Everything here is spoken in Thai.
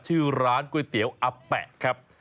ชื่อร้านก๋วยเตี๋ยวอับแปะครับ